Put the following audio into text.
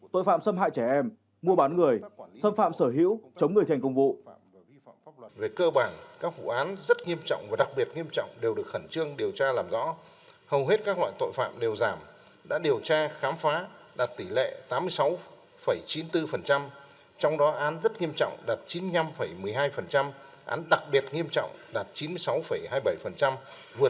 tội phạm xâm hại trẻ em mua bán người xâm phạm sở hữu chống người thành công vụ